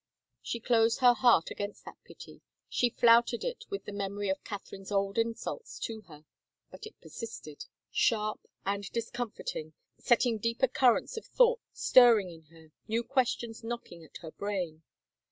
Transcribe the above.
She closed her heart against that pity ; she flouted it with the memory of Catherine's old insults to her, but it persisted, sharp and discom forting, setting deeper currents of thought stirring in her, new questions knocking at her brain.